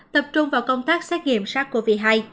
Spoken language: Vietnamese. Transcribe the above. tập trung vào công tác xét nghiệm sars cov hai